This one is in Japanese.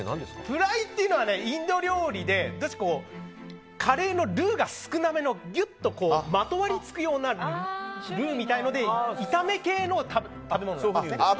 フライというのはインド料理でカレーのルーが少なめのギュッとまとわりつくようなルーみたいなので炒め系の食べ物です。